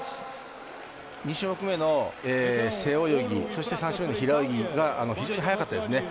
２種目めの背泳ぎそして３種目めの平泳ぎが非常に速かったですね。